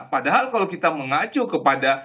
padahal kalau kita mengacu kepada